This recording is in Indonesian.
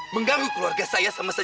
mengganggu keluarga saya sama sekali